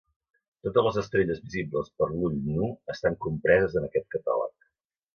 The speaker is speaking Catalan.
Totes les estrelles visibles per l'ull nu estan compreses en aquest catàleg.